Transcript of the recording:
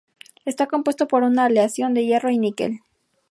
Está compuesto por una aleación de hierro y níquel.